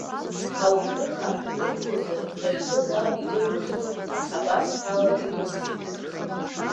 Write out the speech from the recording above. Ауаҩы амҩа дықәлозар, дахьцо заа идыруазароуп, абас дналагеит Уахсиҭ.